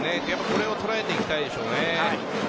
これを捉えていきたいでしょうね。